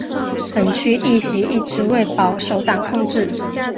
本区议席一直为保守党控制。